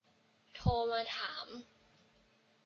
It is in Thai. โทรมาถาม